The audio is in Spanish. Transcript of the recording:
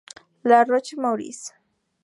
La Roche-Maurice